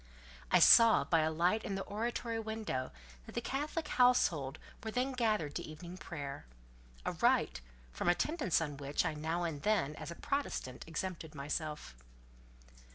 I saw by a light in the oratory window that the Catholic household were then gathered to evening prayer—a rite, from attendance on which, I now and then, as a Protestant, exempted myself.